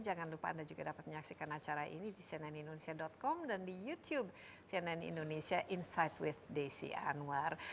jangan lupa anda juga dapat menyaksikan acara ini di cnnindonesia com dan di youtube cnn indonesia insight with desi anwar